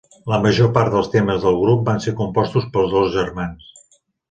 La major part dels temes del grup van ser compostos pels dos germans.